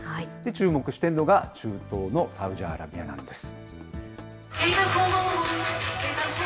注目しているのが、中東のサウジアラビアなんです。